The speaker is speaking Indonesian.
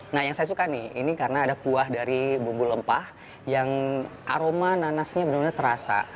nah yang saya suka nih ini karena ada kuah dari bumbu rempah yang aroma nanasnya benar benar terasa